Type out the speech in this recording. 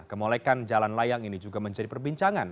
kemolekan jalan layang ini juga menjadi perbincangan